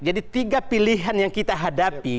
jadi tiga pilihan yang kita hadapi